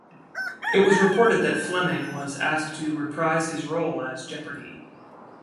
It was reported that Fleming was asked to reprise his role as Jeopardy!